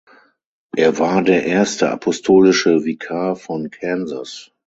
Er war der erste Apostolische Vikar von Kansas.